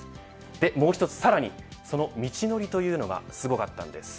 もう１つさらにその道のりというのがすごかったんです。